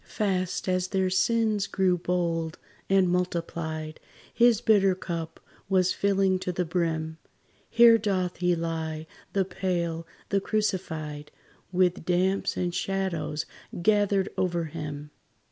Fast as their sins grew bold and multiplied, His bitter cup was filling to the brim. Here doth he lie, the pale, the crucified, With damps and shadows gathered over him.